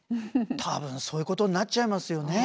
多分そういうことになっちゃいますよね。